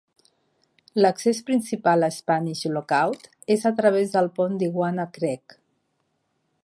L'accés principal a Spanish Lookout és a través del pont d'Iguana Creek.